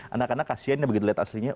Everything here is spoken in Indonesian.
anak anak kasian ya begitu lihat aslinya